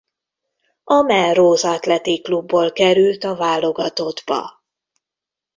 A Melrose Athletic Clubból került a válogatottba.